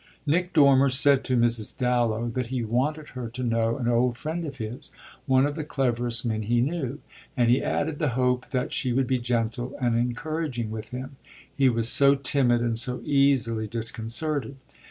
Nick Dormer said to Mrs. Dallow that he wanted her to know an old friend of his, one of the cleverest men he knew; and he added the hope that she would be gentle and encouraging with him; he was so timid and so easily disconcerted.